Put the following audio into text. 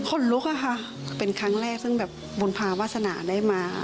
คนลุกอะค่ะเป็นครั้งแรกซึ่งแบบบุญภาวาสนาได้มา